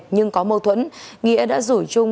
nhưng có mâu thuẫn nghĩa đã rủi trung